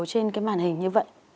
trên cái màn hình như vậy